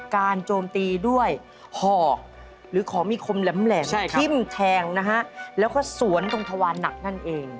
โจมตีด้วยหอกหรือของมีคมแหลมทิ้มแทงนะฮะแล้วก็สวนตรงทวารหนักนั่นเอง